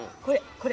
これ。